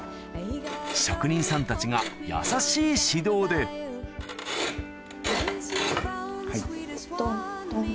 職人さんたちが優しい指導で・はい・トントン。